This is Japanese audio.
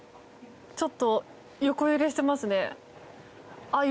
ちょっと横揺れしていますね。